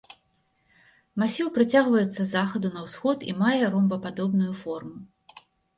Масіў працягваецца з захаду на ўсход і мае ромбападобную форму.